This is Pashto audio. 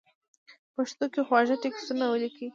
پښتو کې خواږه ټېکسټونه وليکئ!!